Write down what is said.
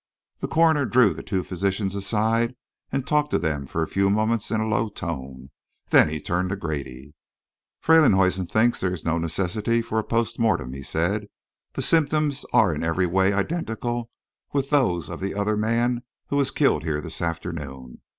The coroner drew the two physicians aside and talked to them for a few moments in a low tone. Then he turned to Grady. "Freylinghuisen thinks there is no necessity for a post mortem," he said. "The symptoms are in every way identical with those of the other man who was killed here this afternoon.